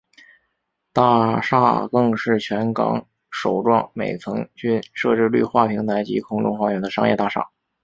大厦更是全港首幢每层均设置绿化平台及空中花园的商业大厦。